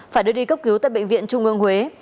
phải đưa đi cấp cứu tại bệnh viện trung ương huế